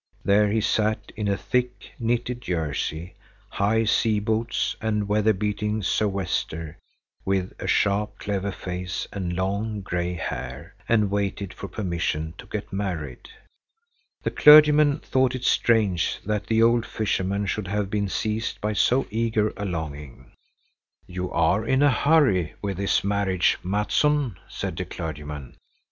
There he sat in a thick, knitted jersey, high sea boots and weather beaten sou'wester with a sharp, clever face and long, gray hair, and waited for permission to get married. The clergyman thought it strange that the old fisherman should have been seized by so eager a longing. "You are in a hurry with this marriage, Mattsson," said the clergyman.